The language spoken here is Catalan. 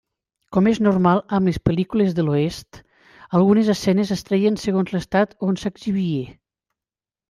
Com és normal amb les pel·lícules d'Oest, algunes escenes es treien segons l'estat on s'exhibia.